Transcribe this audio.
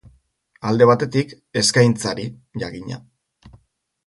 Alde batetik, eskaintzari, jakina.